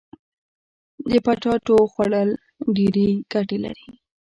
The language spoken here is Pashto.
د پټاټو خوړل ډيري ګټي لري.